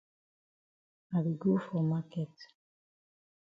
I be go for maket.